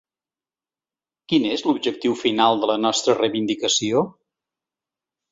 Quin és l’objectiu final de la nostra reivindicació?